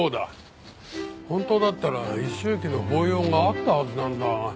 本当だったら一周忌の法要があったはずなんだが。